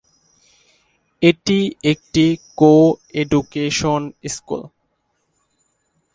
এটি একটি co-education school.